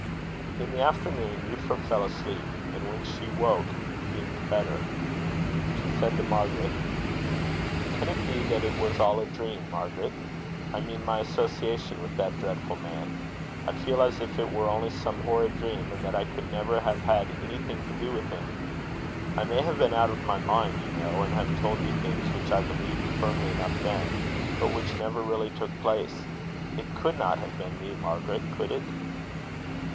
In the afternoon, Euphra fell asleep, and when she woke, seemed better. She said to Margaret: "Can it be that it was all a dream, Margaret? I mean my association with that dreadful man. I feel as if it were only some horrid dream, and that I could never have had anything to do with him. I may have been out of my mind, you know, and have told you things which I believed firmly enough then, but which never really took place. It could not have been me, Margaret, could it?"